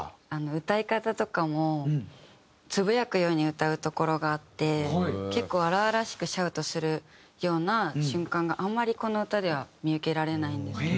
歌い方とかもつぶやくように歌うところがあって結構荒々しくシャウトするような瞬間があんまりこの歌では見受けられないんですけど。